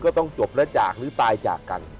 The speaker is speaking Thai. ก็ต้องจบแล้วจากหรือตายจากกัน